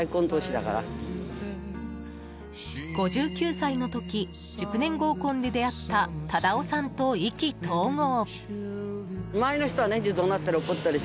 ５９歳の時熟年合コンで出会った忠夫さんと意気投合。